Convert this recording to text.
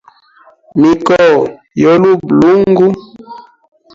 Mikoo yo luba lungu.